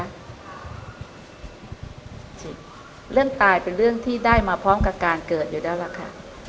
จริงเรื่องตายเป็นเรื่องที่ได้มาพร้อมกับการเกิดอยู่แล้วล่ะค่ะ